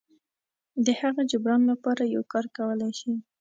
د هغه جبران لپاره یو کار کولی شي.